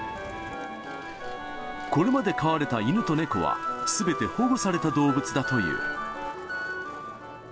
これまで飼われた犬と猫はすべて保護された動物だという。